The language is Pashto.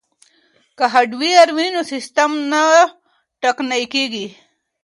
که هارډویر وي نو سیستم نه ټکنی کیږي.